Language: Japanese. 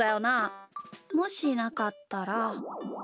もしなかったら。